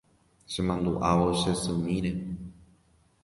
Chemandu'ávo che symíre